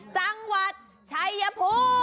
จังหวัดชัยภูมิ